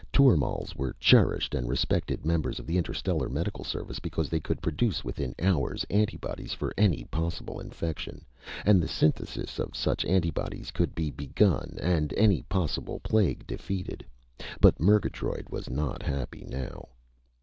Tormals were cherished and respected members of the Interstellar Medical Service because they could produce within hours antibodies for any possible infection, and the synthesis of such antibodies could be begun and any possible plague defeated. But Murgatroyd was not happy now.